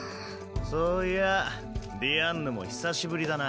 そういやぁディアンヌも久しぶりだな。